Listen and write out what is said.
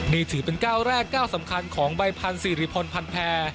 นี่ถือเป็นก้าวแรกก้าวสำคัญของใบพันธ์สิริพรพันธ์แพร